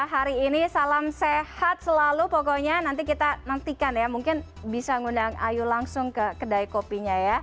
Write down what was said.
hari ini salam sehat selalu pokoknya nanti kita nantikan ya mungkin bisa ngundang ayu langsung ke kedai kopinya ya